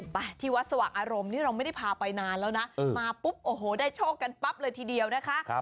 ไปที่วัดสว่างอารมณ์นี่เราไม่ได้พาไปนานแล้วนะมาปุ๊บโอ้โหได้โชคกันปั๊บเลยทีเดียวนะคะ